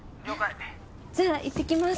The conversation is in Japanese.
じゃあ行ってきます。